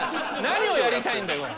何をやりたいんだよこれ。